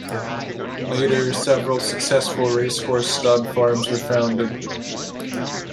Later, several successful racehorse stud farms were founded.